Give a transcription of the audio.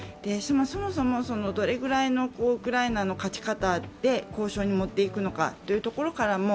そもそもどれぐらいのウクライナの勝ち方で交渉に持っていくのかというところからも